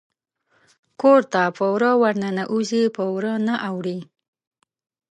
کور ته په وره ورننوزي په ور نه اوړي